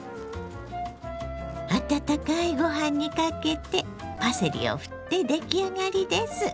温かいご飯にかけてパセリをふって出来上がりです。